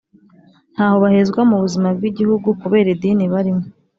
ntaho bahezwa mu buzima bw Igihugu kubera idini barimo